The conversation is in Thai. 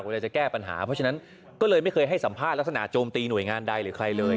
จะแก้ปัญหาเพราะฉะนั้นก็เลยไม่เคยให้สัมภาษณ์ลักษณะโจมตีหน่วยงานใดหรือใครเลย